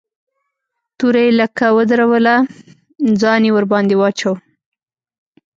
توره يې لکه ودروله ځان يې ورباندې واچاوه.